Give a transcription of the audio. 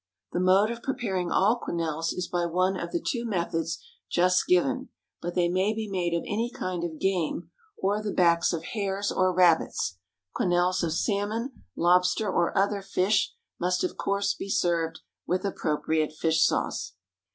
The mode of preparing all quenelles is by one of the two methods just given, but they may be made of any kind of game, or the backs of hares or rabbits. Quenelles of salmon, lobster, or other fish must of course be served with appropriate fish sauce.